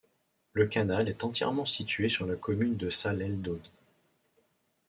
Le canal est entièrement situé sur la commune de Sallèles-d'Aude.